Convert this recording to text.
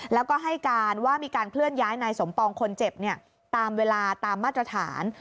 แล้วก็ให้การว่ามีการเคลื่อนย้ายนายสมปองคนเจ็บตามเวลาตามมาตรฐาน